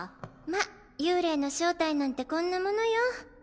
ま幽霊の正体なんてこんなモノよ。